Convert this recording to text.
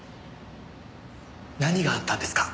何があったんですか？